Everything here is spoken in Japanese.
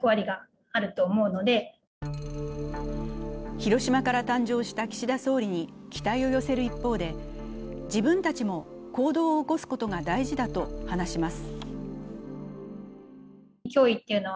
広島から誕生した岸田総理に期待を寄せる一方で自分たちも行動を起こすことが大事だと話します。